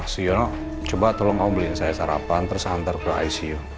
si yono coba tolong kamu beliin saya sarapan terus hantar ke icu